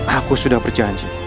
aku sudah berjanji